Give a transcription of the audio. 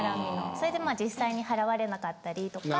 それでまあ実際に払われなかったりとか。